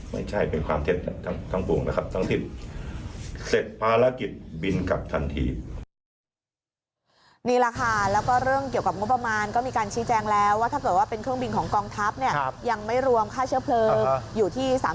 ไม่ใช่เป็นความเท็จทั้งทุ่งนะครับทั้งทิศ